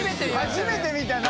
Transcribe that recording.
初めて見たな。